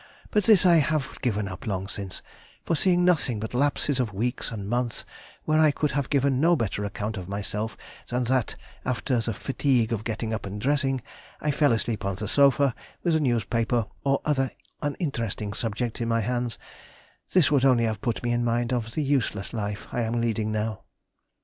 But this I have given up long since, for seeing nothing but lapses of weeks and months where I could have given no better account of myself than that, after the fatigue of getting up and dressing, I fell asleep on the sofa, with a newspaper or other uninteresting subject in my hands, this would only have put me in mind of the useless life I am leading now.